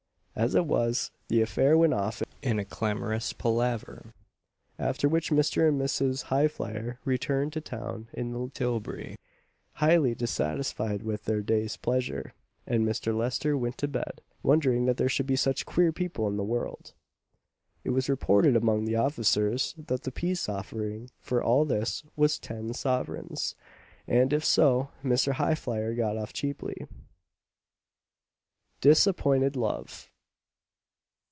As it was, the affair went off in a clamorous palaver; after which Mr. and Mrs. Highflyer returned to town in the tilbury, highly dissatisfied with their day's pleasure; and Mr. Lester went to bed, wondering that there should be such queer people in the world. It was reported among the officers that the peace offering for all this was ten sovereigns; and if so, Mr. Highflyer got off cheaply. DISAPPOINTED LOVE.